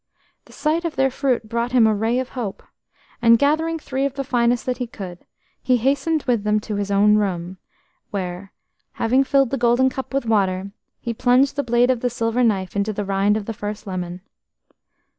The sight of their fruit brought him a ray of hope, and gathering three of the finest that he could find, he hastened with them to his own room, where, having filled the golden cup with water, he plunged the blade of the silver knife into the rind of the first lemon.